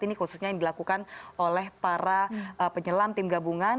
ini khususnya yang dilakukan oleh para penyelam tim gabungan